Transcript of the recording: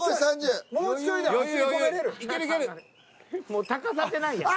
もう高さってないやん。